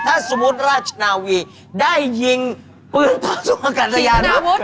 ถ้าสมมุติราชนาวีได้ยิงปืนต่อสู้กับสยานมา